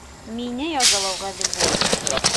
Мине язалау ғәҙел булыр.